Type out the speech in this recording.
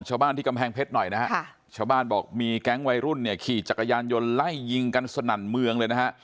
ชาวบ้านที่กำแพงเพชรหน่อยนะฮะชาวบ้านบอกมีแก๊งวัยรุ่นเนี่ยขี่จักรยานยนต์ไล่ยิงกันสนั่นเมืองเลยนะฮะ